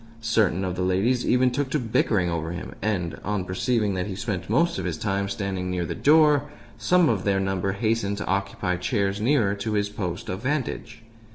Certain of the ladies even took to bickering over him, and, on perceiving that he spent most of his time standing near the door, some of their number hastened to occupy chairs nearer to his post of vantage.